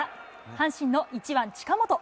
阪神の１番近本。